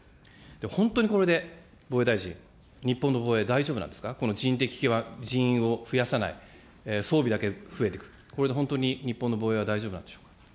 本当にこれで防衛大臣、日本の防衛、大丈夫なんですか、この人的基盤、人員を増やさない、装備だけ増えてく、これで本当に日本の防衛は大丈夫なんでしょうか。